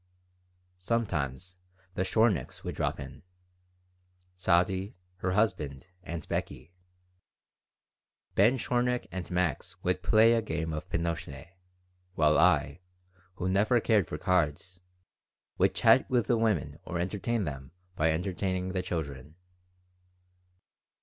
Sometimes the Shorniks would drop in Sadie, her husband, and Beckie. Ben Shornik and Max would play a game of pinochle, while I, who never cared for cards, would chat with the women or entertain them by entertaining the children.